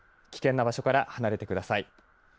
危険な場所から離れてください。